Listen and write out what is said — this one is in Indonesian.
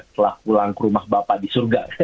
setelah pulang ke rumah bapak di surga